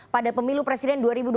pada pemilu presiden dua ribu dua puluh